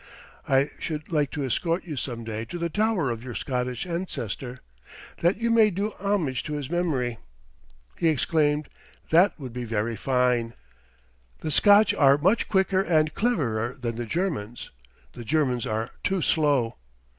I should like to escort you some day to the tower of your Scottish ancestor, that you may do homage to his memory." He exclaimed: "That would be very fine. The Scotch are much quicker and cleverer than the Germans. The Germans are too slow."